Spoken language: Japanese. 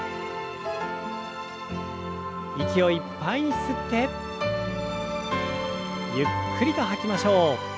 息をいっぱいに吸ってゆっくりと吐きましょう。